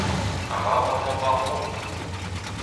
Arabat mont war-dro !